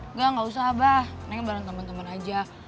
enggak enggak usah abah naik bareng temen temen aja